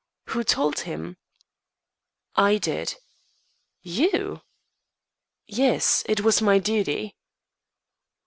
"Who told him?" "I did." "You?" "Yes, it was my duty."